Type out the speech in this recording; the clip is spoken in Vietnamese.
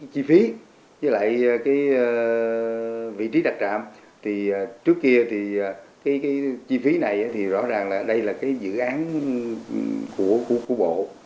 chi phí với lại vị trí đặt trạm trước kia thì chi phí này thì rõ ràng là đây là dự án của bộ